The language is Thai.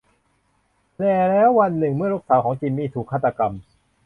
แต่แล้ววันหนึ่งเมื่อลูกสาวของ จิมมี่ ถูกฆาตกรรม